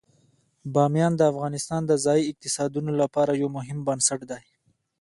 بامیان د افغانستان د ځایي اقتصادونو لپاره یو مهم بنسټ دی.